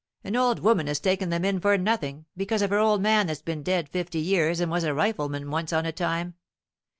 An old woman has taken them in for nothing, because of her old man that's been dead fifty years and was a rifleman once on a time.